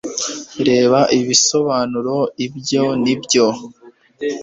reba ibisobanuro bya n'ibya